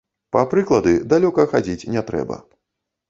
Па прыклады далёка хадзіць не трэба.